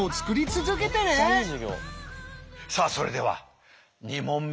さあそれでは２問目。